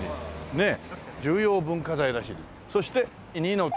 ねえ。